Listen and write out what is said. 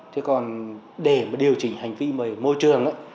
thế còn để mà điều chỉnh hành vi môi trường